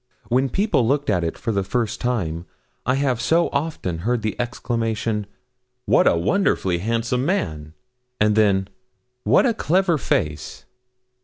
When people looked at it for the first time, I have so often heard the exclamation 'What a wonderfully handsome man!' and then, 'What a clever face!'